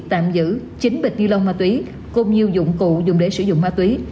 tạm giữ chín bịch ni lông ma túy cùng nhiều dụng cụ dùng để sử dụng ma túy